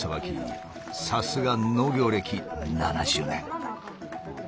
さすが農業歴７０年。